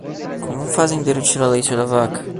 Como um fazendeiro tira leite da vaca?